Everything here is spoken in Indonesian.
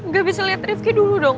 gak bisa lihat rifki dulu dong